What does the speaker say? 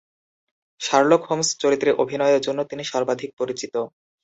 Sherlock Holmes চরিত্রে অভিনয়ের জন্য তিনি সর্বাধিক পরিচিত।